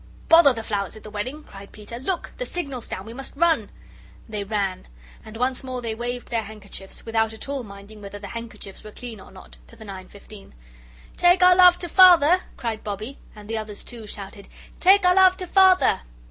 "Bother the flowers at the wedding!" cried Peter. "Look! the signal's down. We must run!" They ran. And once more they waved their handkerchiefs, without at all minding whether the handkerchiefs were clean or not, to the 9.15. "Take our love to Father!" cried Bobbie. And the others, too, shouted: "Take our love to Father!"